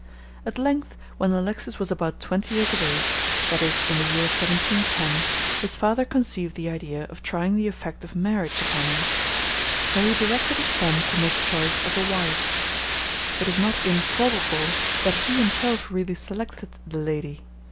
At length, when Alexis was about twenty years of age, that is, in the year 1710, his father conceived the idea of trying the effect of marriage upon him. So he directed his son to make choice of a wife. It is not improbable that he himself really selected the lady.